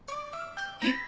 えっ。